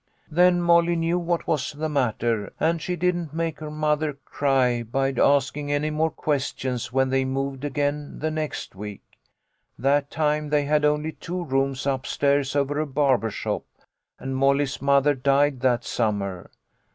" Then Molly knew what was the matter, and she 82 THE LITTLE COLONEL'S HOLIDAYS, didn't make her mother cry by asking any more ques tions when they moved again the next week. That time they had only two rooms up stairs over a barber shop, and Molly's mother died that summer.